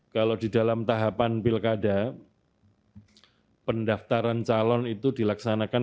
kalau di dalam tahapan pilkada pendaftaran calon itu dilaksanakan